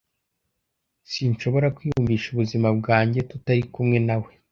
Sinshobora kwiyumvisha ubuzima bwanjye tutari kumwe nawe